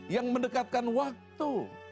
yang mendekatkan waktu